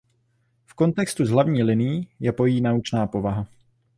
V kontextu s hlavní linií je pojí naučná povaha.